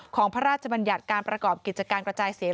พระราชบัญญัติการประกอบกิจการกระจายเสียง